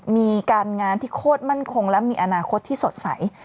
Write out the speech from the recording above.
มีการงานที่โคตรมั่นคงและมีอนาคตที่สดใส